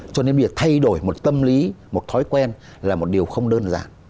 cho nên bây giờ thay đổi một tâm lý một thói quen là một điều không đơn giản